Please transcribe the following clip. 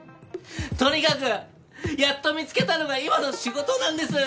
とにかくやっと見つけたのが今の仕事なんです！